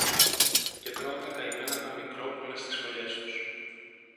Και τρων τα καημένα τα μικρόπουλα στις φωλιές τους.